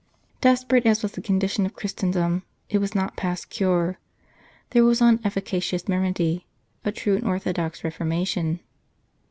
Desperate as was the condition of Christendom, it was not past cure; there was one efficacious remedy a true and orthodox Reformation.